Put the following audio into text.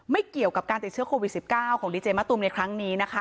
ไม่เกี่ยวกับการติดเชื้อโควิด๑๙ของดีเจมะตูมในครั้งนี้นะคะ